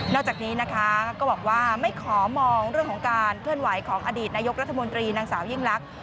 จากนี้นะคะก็บอกว่าไม่ขอมองเรื่องของการเคลื่อนไหวของอดีตนายกรัฐมนตรีนางสาวยิ่งลักษณ